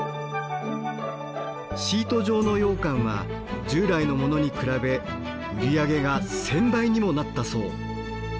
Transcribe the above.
シート状のようかんは従来のものに比べ売り上げが１，０００倍にもなったそう。